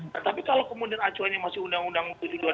tetapi kalau kemudian acuannya masih undang undang dua ribu tujuh belas